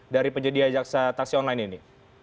dari penyedia jaksa taksi online ini